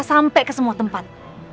sampai ke semua tempat